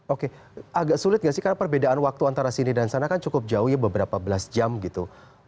oke agak sulit gak sih karena perbedaan waktu antara sini dan sana kan cukup jauh ya beberapa belas jam gitu